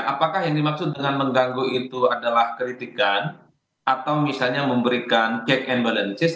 apakah yang dimaksud dengan mengganggu itu adalah kritikan atau misalnya memberikan check and balances